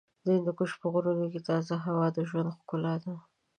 د هندوکش په غرونو کې تازه هوا د ژوند ښکلا ده.